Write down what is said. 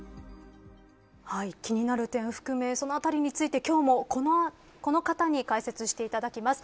気になる点を含めそのあたりについて、今日もこの方に解説していただきます。